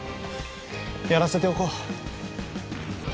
やらせておこう。